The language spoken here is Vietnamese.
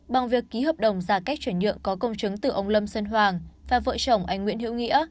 bằng việc ký hợp đồng giả cách chuyển nhượng có công chứng từ ông lâm sơn hoàng và vợ chồng anh nguyễn hữu nghĩa